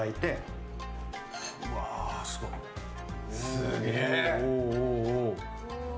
すげえ。